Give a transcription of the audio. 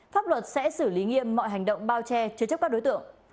pháp luật sẽ xử lý nghiêm mọi hành động bao che chứa chấp các đối tượng